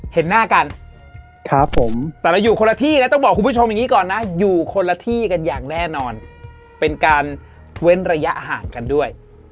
เห็นหน้ากันครับผมแต่เราอยู่คนละที่นะต้องบอกคุณผู้ชมอย่างนี้ก่อนนะอยู่คนละที่กันอย่างแน่นอนเป็นการเว้นระยะห่างกันด้วย